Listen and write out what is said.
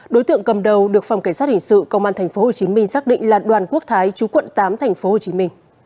đối tượng cầm đầu được phòng cảnh sát hình sự công an tp hcm xác định là đoàn quốc thái chú quận tám tp hcm